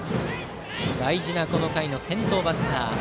大事なこの回の先頭バッター。